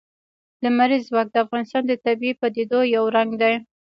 لمریز ځواک د افغانستان د طبیعي پدیدو یو رنګ دی.